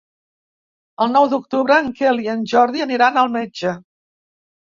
El nou d'octubre en Quel i en Jordi aniran al metge.